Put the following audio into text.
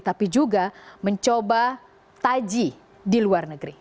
tapi juga mencoba taji di luar negeri